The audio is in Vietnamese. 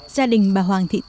gia đình bà hoàng thị thuận